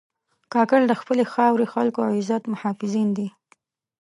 کاکړ د خپلې خاورې، خلکو او عزت محافظین دي.